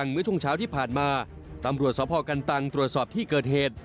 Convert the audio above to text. เมื่อช่วงเช้าที่ผ่านมาตำรวจสพกันตังตรวจสอบที่เกิดเหตุ